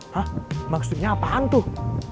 hah maksudnya apaan tuh